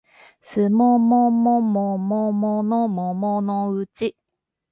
すもももももものもものうち